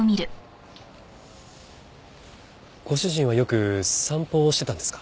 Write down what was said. ご主人はよく散歩をしてたんですか？